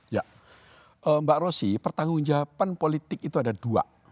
ya mbak rosy pertanggung jawaban politik itu ada dua